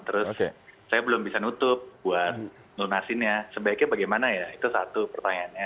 terus saya belum bisa nutup buat lunasinnya sebaiknya bagaimana ya itu satu pertanyaannya